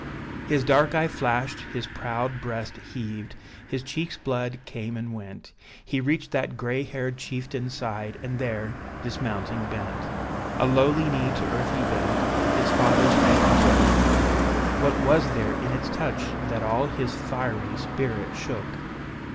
His dark eye flashed, his proud breast heaved, his cheek's blood came and went, He reached that gray haired chieftain's side, and there, dismounting, bent: A lowly knee to earth he bent, his father's hand he took, What was there in its touch that all his fiery spirit shook?